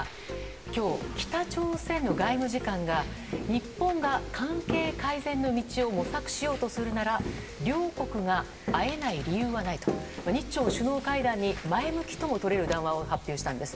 今日、北朝鮮の外務次官が日本が関係改善の道を模索しようとするなら両国が会えない理由はないと日朝首脳会談に前向きとも取れる談話を発表したんです。